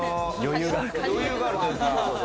余裕があるというか。